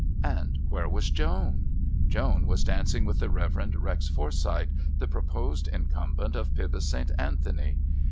And where was Joan? Joan was dancing with the Reverend Rex Forsyth, the proposed incumbent of Pybus St. Anthony.